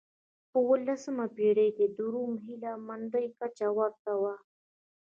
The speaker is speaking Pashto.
په اولسمه پېړۍ کې د روم هیله مندۍ کچه ورته و.